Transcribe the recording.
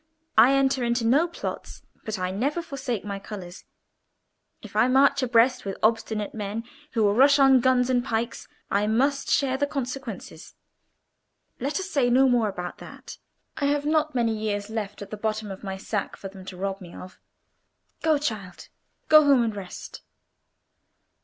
I enter into no plots, but I never forsake my colours. If I march abreast with obstinate men, who will rush on guns and pikes, I must share the consequences. Let us say no more about that. I have not many years left at the bottom of my sack for them to rob me of. Go, child; go home and rest."